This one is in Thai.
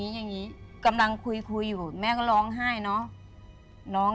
แม่ร้องให้ทำไมมืออย่างเงี้ยค่ะ